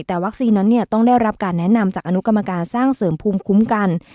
แต่วัคซีนนั้นต้องได้รับการแนะนำจากอนุกรรมการสร้างเสริมภูมิคุ้มกัน